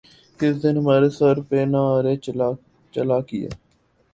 کس دن ہمارے سر پہ نہ آرے چلا کیے